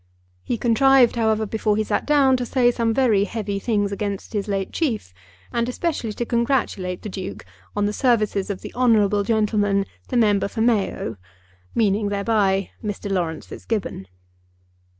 He contrived, however, before he sat down, to say some very heavy things against his late chief, and especially to congratulate the Duke on the services of the honourable gentleman, the member for Mayo, meaning thereby Mr. Laurence Fitzgibbon.